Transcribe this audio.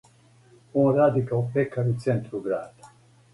Он ради као пекар у центру града.